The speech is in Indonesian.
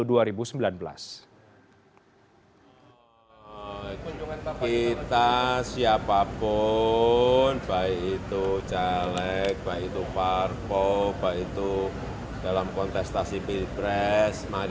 kita siapapun baik itu caleg baik itu parpo baik itu dalam kontestasi pibres madis